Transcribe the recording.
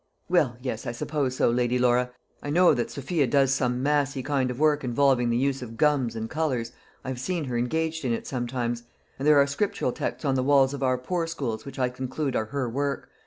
"Well, yes, I suppose so, Lady Laura. I know that Sophia does some messy kind of work involving the use of gums and colours. I have seen her engaged in it sometimes. And there are scriptural texts on the walls of our poor schools which I conclude are her work.